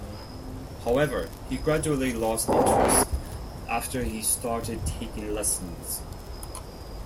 However, he gradually lost interest after he started taking lessons.